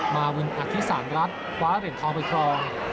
มาวินอธิสารรัฐคว้าเหรียญทองไปครอง